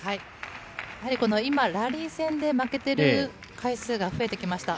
やはり今、ラリー戦で負けてる回数が増えてきました。